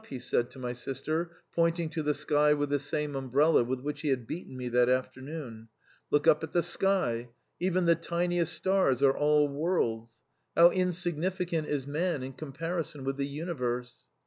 he said to my sister, pointing to the sky with the very umbrella with which he had just struck me. " Look at the sky! Even the smallest stars are worlds ! How insignificant man is in comparison with the universe.